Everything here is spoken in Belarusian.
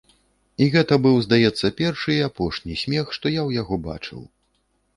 І гэта быў, здаецца, першы і апошні смех, што я ў яго бачыў.